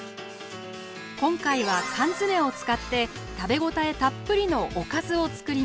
今回は缶詰を使って食べ応えたっぷりのおかずを作ります。